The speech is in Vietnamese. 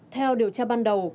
theo điều tra ban đầu